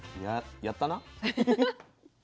やったな。